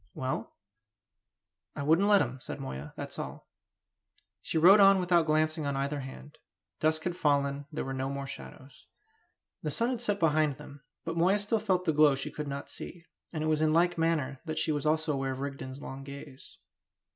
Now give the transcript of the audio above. "Well?" "I wouldn't let him," said Moya. "That's all." She rode on without glancing on either hand. Dusk had fallen; there were no more shadows. The sun had set behind them; but Moya still felt the glow she could not see; and it was in like manner that she was aware also of Rigden's long gaze.